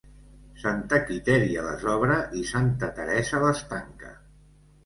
Santa Quitèria les obre i Santa Teresa les tanca.